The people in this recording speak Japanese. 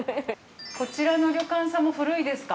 こちらの旅館さんも古いですか？